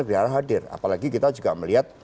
negara hadir apalagi kita juga melihat